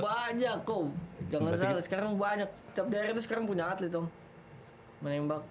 banyak om jangan salah sekarang banyak setiap daerah itu sekarang punya atlet om menembak